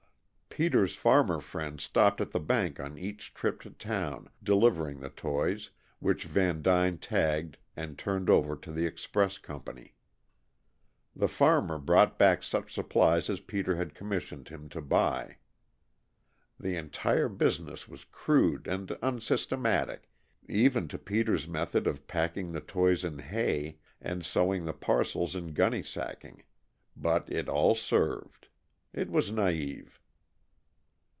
Peter's farmer friend stopped at the bank on each trip to town, delivering the toys, which Vandyne tagged and turned over to the express company. The farmer brought back such supplies as Peter had commissioned him to buy. The entire business was crude and unsystematic, even to Peter's method of packing the toys in hay and sewing the parcels in gunny sacking, but it all served. It was naïve.